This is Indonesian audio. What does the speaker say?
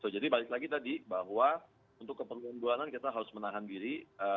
balik lagi tadi bahwa untuk keperluan bulanan kita harus menahan diri